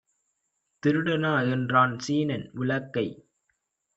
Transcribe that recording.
திருடனா என்றான் சீனன். விளக்கை